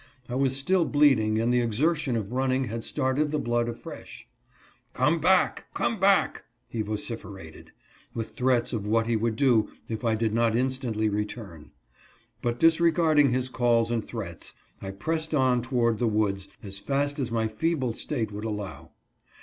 I was still bleeding and the exertion of running had started the blood afresh. " Come hack ! Come hack !" he vocifer ated, with threats of what he would do if I did not in stantly return. But, disregarding his calls and threats, I pressed on toward the woods as fast as my feeble state would allow.